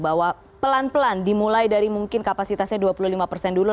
bahwa pelan pelan dimulai dari mungkin kapasitasnya dua puluh lima persen dulu